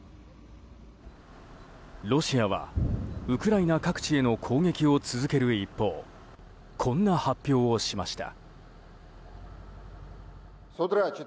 ロシアは、ウクライナ各地への攻撃を続ける一方こんな発表をしました。